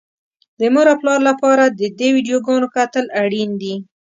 د مور او پلار لپاره د دې ويډيوګانو کتل اړين دي.